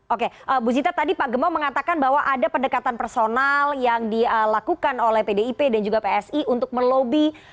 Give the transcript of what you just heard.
oke bu zita tadi pak gembong mengatakan bahwa ada pendekatan personal yang dilakukan oleh pdip dan juga psi untuk melobi